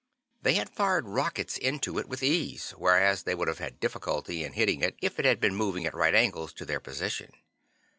They had fired rockets into it with ease, whereas they would have had difficulty in hitting it if it had been moving at right angles to their position.